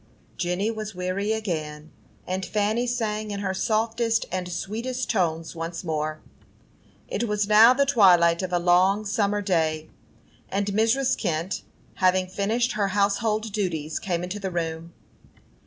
Jenny was weary again, and Fanny sang in her softest and sweetest tones once more. It was now the twilight of a long summer day, and Mrs. Kent, having finished her household duties, came into the room.